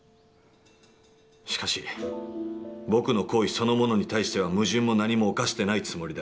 しかし僕の行為そのものに対しては矛盾も何も犯してないつもりだ」。